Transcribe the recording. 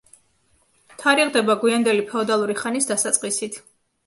თარიღდება გვიანდელი ფეოდალური ხანის დასაწყისით.